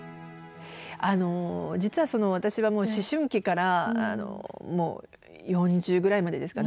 あの実は私は思春期から４０ぐらいまでですかね